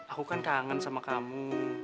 aku kan kangen sama kamu